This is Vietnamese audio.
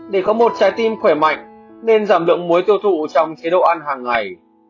để có một trái tim khỏe mạnh nên giảm lượng mối tiêu thụ trong chế độ ăn hàng ngày